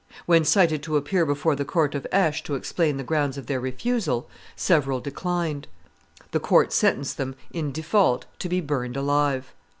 When cited to appear before the court of Aix to explain the grounds of their refusal, several declined. The court sentenced them, in default, to be burned alive.